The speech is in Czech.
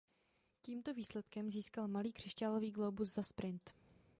Tímto výsledkem získal malý křišťálový glóbus za sprint.